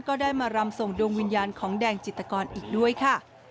ก็ได้มารำส่งดวงวิญญาณของแดงจิตกรอีกด้วยค่ะ